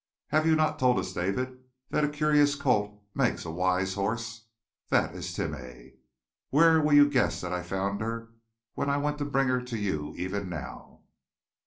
Have you not told us, David, that a curious colt makes a wise horse? That is Timeh! Where will you guess that I found her when I went to bring her to you even now?